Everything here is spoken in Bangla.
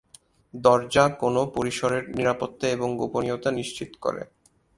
দরজা কোন পরিসরের নিরাপত্তা এবং গোপনীয়তা নিশ্চিত করে।